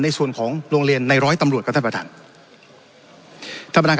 ในส่วนของโรงเรียนในร้อยตำรวจ